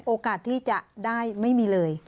โอกาสที่จะได้ไม่มีเลย